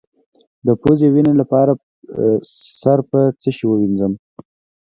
د پوزې وینې لپاره سر په څه شي ووینځم؟